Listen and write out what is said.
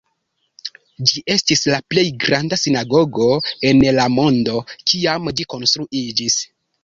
Ĝi estis la plej granda sinagogo en la mondo, kiam ĝi konstruiĝis.